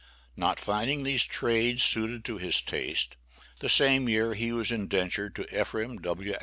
Not finding these trades suited to his taste, the same year he was indentured to Ephraim W.